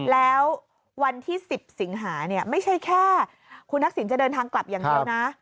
แล้ววันที่๑๐สิงหาเนี่ยไม่ใช่แค่คุณทักษิณจะเดินทางกลับอย่างเดียวนะ